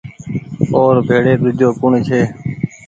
او ر بيڙي ۮوجو ڪوٚڻ ڇي